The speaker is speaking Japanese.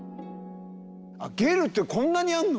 あっゲルってこんなにあるの？